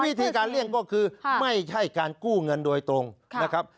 วิธีการเลี่ยงก็คือไม่ใช่การกู้เงินโดยตรงนะครับ